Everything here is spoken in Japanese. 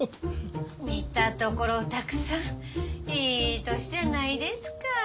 見たところおたくさんいい歳やないですか。